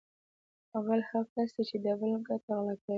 غل هغه کس دی چې د بل ګټه غلا کوي